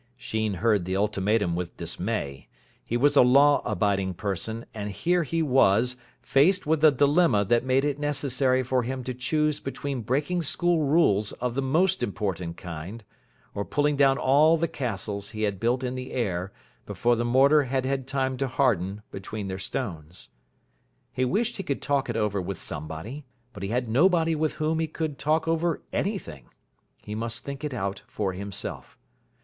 Sheen heard the ultimatum with dismay. He was a law abiding person, and here he was, faced with a dilemma that made it necessary for him to choose between breaking school rules of the most important kind, or pulling down all the castles he had built in the air before the mortar had had time to harden between their stones. He wished he could talk it over with somebody. But he had nobody with whom he could talk over anything. He must think it out for himself.